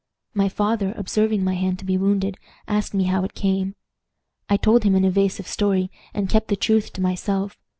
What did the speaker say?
"My father, observing my hand to be wounded, asked me how it came. I told him an evasive story, and kept the truth to myself.